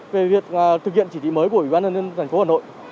về việc thực hiện chỉ thị mới của ủy ban thành phố hà nội